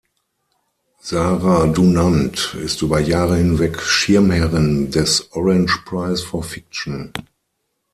Sarah Dunant ist über Jahre hinweg Schirmherrin des Orange Prize for Fiction.